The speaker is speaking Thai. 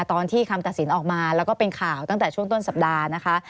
ตอนที่คำตัดสินออกมาแล้วก็เป็นข่าวตั้งแต่ช่วงต้นสัปดาห์นะคะ